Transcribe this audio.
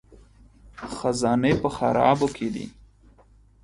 خزانې په خرابو کې دي